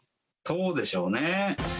そうでしょうね。